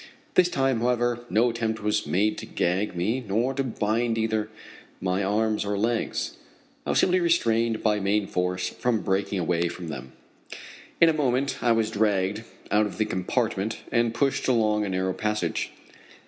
This time, however, no attempt was made to gag me nor to bind either my arms or legs. I was simply restrained by main force from breaking away from them. In a moment I was dragged out of the compartment and pushed along a narrow passage.